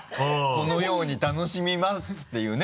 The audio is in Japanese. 「このように楽しみます」っていうね。